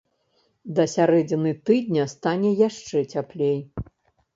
Да сярэдзіны тыдня стане яшчэ цяплей.